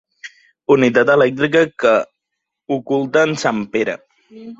Unitat elèctrica que oculta en Sampere.